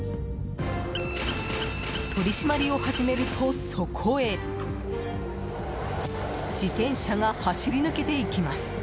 取り締まりを始めると、そこへ自転車が走り抜けていきます。